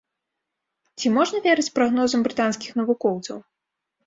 Ці можна верыць прагнозам брытанскіх навукоўцаў?